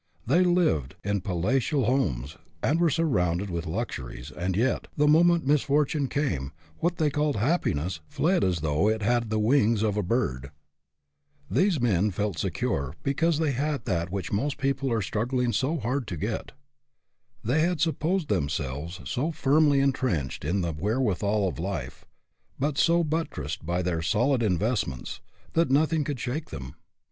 They lived in palatial homes and were surrounded with luxuries, and yet, the moment misfortune came, what they called " happiness " fled as though it had the wings of a bird. These men felt secure because they had that 145 146 HAPPY? IF NOT, WHY NOT? which most people are struggling so hard to get. They had supposed themselves so firmly intrenched in the wherewithal of life, so but tressed by their " solid " investments, that nothing could shake them.